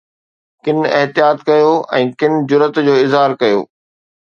ڪن احتياط ڪيو ۽ ڪن جرئت جو اظهار ڪيو